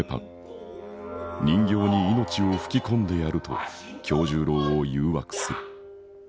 人形に命を吹き込んでやると今日十郎を誘惑する。